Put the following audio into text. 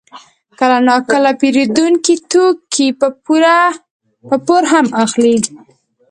کله ناکله پېرودونکي توکي په پور هم اخلي